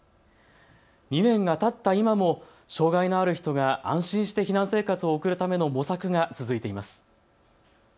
２年がたった今も障害のある人が安心して避難生活を送るための模索が続いています。